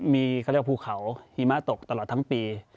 มีเขาเรียกว่าภูเขาหิมะตกตลอดทั้งปี